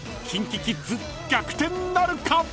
［ＫｉｎＫｉＫｉｄｓ逆転なるか⁉］